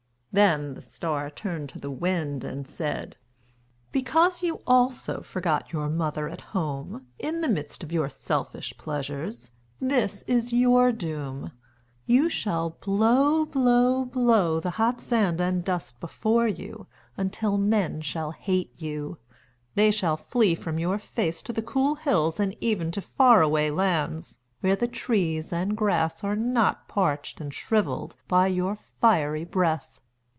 Then the Star turned to the Wind and said: "Because you also forgot your mother at home, in the midst of your selfish pleasures, this is your doom. You shall blow, blow, blow the hot sand and dust before you until men shall hate you. They shall flee from your face to the cool hills and even to faraway lands where the trees and grass are not parched and shrivelled by your fiery breath."